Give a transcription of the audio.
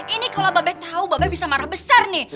ini kalau babe tau babe bisa marah besar nih